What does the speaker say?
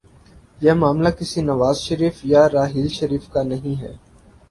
یہ معاملہ کسی نواز شریف یا راحیل شریف کا نہیں ہے۔